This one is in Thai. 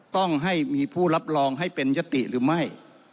ต้องให้มีผู้รับรองให้เป็นยติหรือไม่